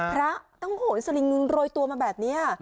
พระต้องโหยสลิงโรยตัวมาแบบนี้